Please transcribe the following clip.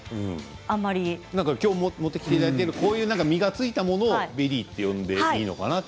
きょう持ってきていただいている実がついたものをベリーと呼んでいいのかなと。